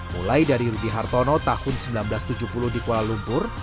mulai dari rudy hartono tahun seribu sembilan ratus tujuh puluh di kuala lumpur